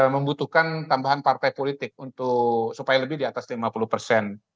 membutuhkan tambahan partai politik supaya lebih di atas lima puluh persen